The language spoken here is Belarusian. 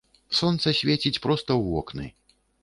Сонца свеціць проста ў вокны.